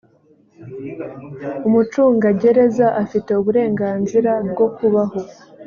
umucungagereza afite uburenganzira bwo kubaho